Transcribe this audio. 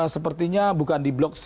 sepertinya bukan di blok c